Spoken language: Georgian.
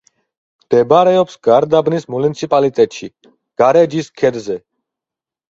მდებარეობს გარდაბნის მუნიციპალიტეტში, გარეჯის ქედზე.